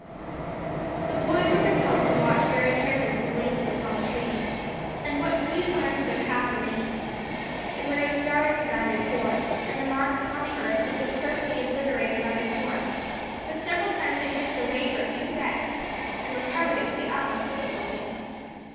The boys were compelled to watch very carefully the blazing upon the trees, and what few signs of their path remained. There were no stars to guide their course, and the marks upon the earth were so perfectly obliterated by the storm, that several times they missed their way for a few steps, and recovered it with the utmost difficulty.